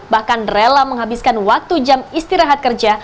bahkan rela menghabiskan waktu jam istirahat kerja